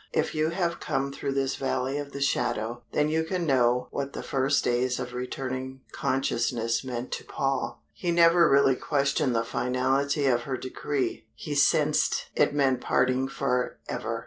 If you have come through this valley of the shadow, then you can know what the first days of returning consciousness meant to Paul. He never really questioned the finality of her decree, he sensed it meant parting for ever.